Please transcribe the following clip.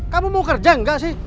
kamu mau kerja enggak sih